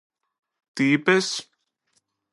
Τι είπες;